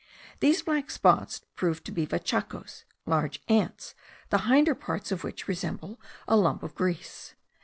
These black spots proved to be vachacos, large ants, the hinder parts of which resemble a lump of grease.